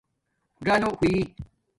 ژالُو ہوئ